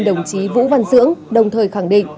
đồng chí vũ văn dưỡng đồng thời khẳng định